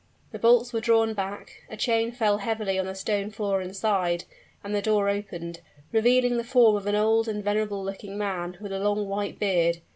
The bolts were drawn back a chain fell heavily on the stone floor inside and the door opened, revealing the form of an old and venerable looking man, with a long white beard.